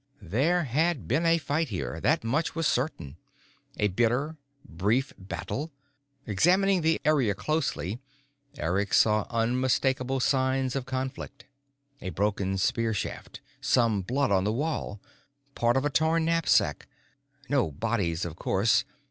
There had been a fight here that much was certain. A brief, bitter battle. Examining the area closely, Eric saw unmistakable signs of conflict. A broken spear shaft. Some blood on the wall. Part of a torn knapsack. No bodies, of course.